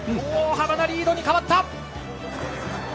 大幅なリードに変わった。